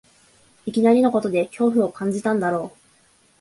いきなりのことで恐怖を感じたんだろう